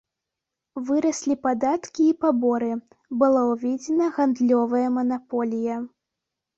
Выраслі падаткі і паборы, была ўведзена гандлёвая манаполія.